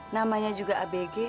namanya juga abg